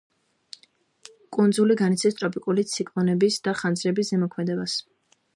კუნძული განიცდის ტროპიკული ციკლონების და ხანძრების ზემოქმედებას.